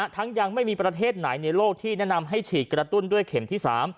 ยังไม่มีประเทศไหนในโลกที่แนะนำให้ฉีดกระตุ้นด้วยเข็มที่๓